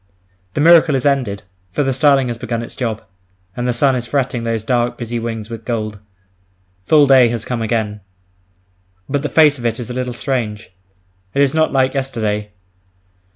The miracle is ended, for the starling has begun its job; and the sun is fretting those dark, busy wings with gold. Full day has come again. But the face of it is a little strange, it is not like yesterday.